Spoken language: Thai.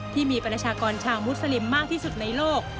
ที่มีประชากรชาวมุสลิมมากที่สุดในโลก